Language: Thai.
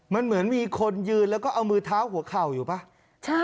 มันเหมือนมีคนยืนแล้วก็เอามือเท้าหัวเข่าอยู่ป่ะ